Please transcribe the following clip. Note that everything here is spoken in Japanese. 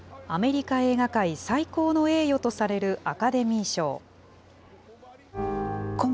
アメリカ映画界最高の栄誉とされるアカデミー賞。